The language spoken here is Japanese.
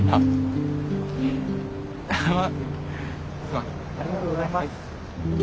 ありがとうございます。